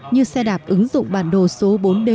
như xe đạp ứng dụng bản đồ số bốn d